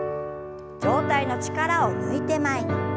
上体の力を抜いて前に。